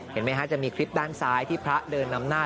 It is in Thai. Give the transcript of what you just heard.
เห็นไหมฮะจะมีคลิปด้านซ้ายที่พระเดินนำหน้า